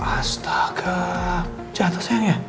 astaga jatuh sayang ya